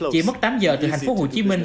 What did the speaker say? chỉ mất tám giờ từ hạnh phúc hồ chí minh